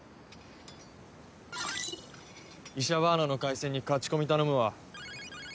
イシャバーナの回線にカチコミ頼むわ。